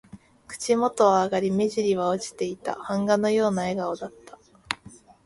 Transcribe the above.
口元は上がり、目じりは落ちていた。版画のような笑顔だった。